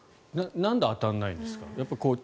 なんで当たらないんですか？